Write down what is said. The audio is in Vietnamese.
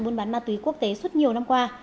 buôn bán ma túy quốc tế suốt nhiều năm qua